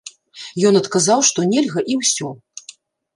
Ён адказаў, што нельга і ўсё.